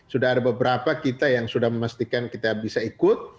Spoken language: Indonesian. sudah ada beberapa kita yang sudah memastikan kita bisa ikut